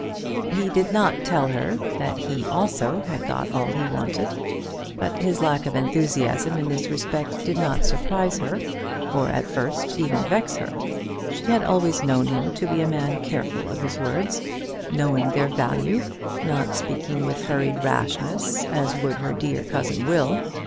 He did not tell her that he also had got all he wanted; but his lack of enthusiasm in this respect did not surprise her, or at first even vex her. She had always known him to be a man careful of his words, knowing their value, not speaking with hurried rashness as would her dear cousin Will.